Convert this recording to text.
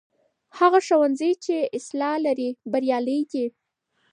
هغه ښوونځی چې اصلاح لري بریالی دی.